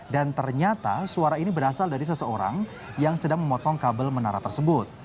dan ternyata suara ini berasal dari seseorang yang sedang memotong kabel menara tersebut